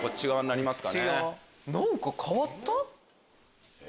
何か変わった？